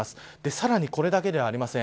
さらにこれだけではありません。